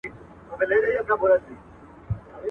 o کاڼی به پوست نه سي، دښمن به دوست نه سي.